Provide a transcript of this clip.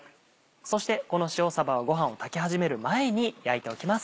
そしてこの塩さばはごはんを炊き始める前に焼いておきます。